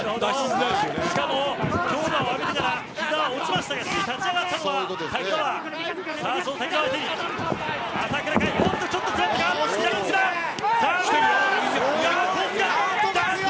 しかも強打を浴びてからひざは落ちましたがすぐに立ち上がったのは瀧澤。